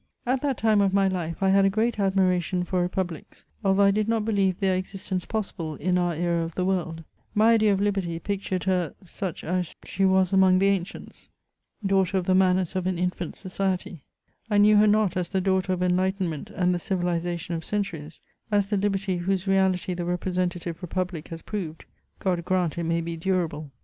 At that time of my life I had a great admiration for republics, although I did not believe their existence possible in our era of the world; my idea of liberty pictured her such us she was among the ancients, daughter of the manners of an infant society; I knew her not as the daughter of enlightenment and the civilisa tion of centuries — as the liberty whose reality the representative republic has proved : God grant it may be durable